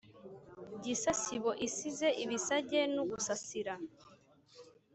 Gisa sibo isize ibisage n'ugusasira